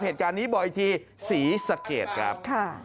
เหตุการณ์นี้บอกอีกทีศรีสะเกดครับ